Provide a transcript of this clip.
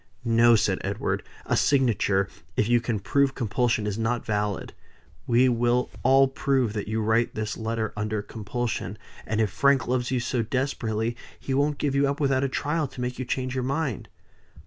"No!" said Edward. "A signature, if you can prove compulsion, is not valid. We will all prove that you write this letter under compulsion; and if Frank loves you so desperately, he won't give you up without a trial to make you change your mind."